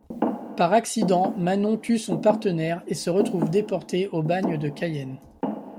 Par accident, Manon tue son partenaire, et se retrouve déportée au bagne de Cayenne.